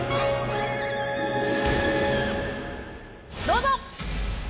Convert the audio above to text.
どうぞ！